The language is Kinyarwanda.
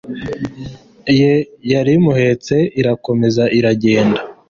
ye yari imuhetse irakomeza iragenda